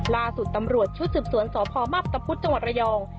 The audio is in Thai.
ล่าสุดตำรวจชุดสืบสวนสพมับตะพุทธจังหวัดระยอง